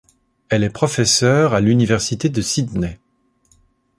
Elle est professeure à l'université de Sydney.